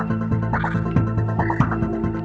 elang cara udah